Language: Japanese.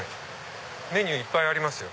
メニューいっぱいありますよ。